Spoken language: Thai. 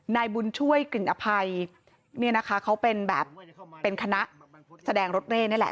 นายบุญช่วยกลิ่นอภัยเนี่ยนะคะเขาเป็นแบบเป็นคณะแสดงรถเร่นี่แหละ